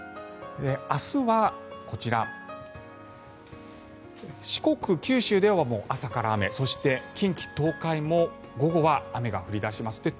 明日はこちら四国、九州では朝から雨そして近畿・東海も午後は雨が降り出します。